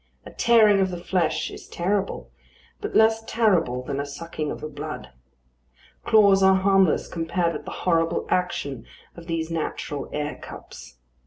A tearing of the flesh is terrible, but less terrible than a sucking of the blood. Claws are harmless compared with the horrible action of these natural air cups.